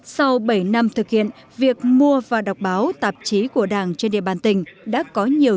sau bảy năm thực hiện việc mua và đọc báo tạp chí của đảng trên địa bàn tỉnh đã có nhiều